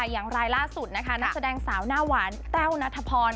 อย่างรายล่าสุดนะคะนักแสดงสาวหน้าหวานแต้วนัทพร